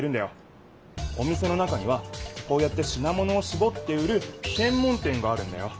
お店の中にはこうやってしな物をしぼって売るせんもん店があるんだよ。